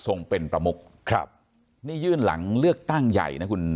ส่งเป็นประมุกครับนี่ยื่นหลังเลือกตั้งใหญ่นะคุณ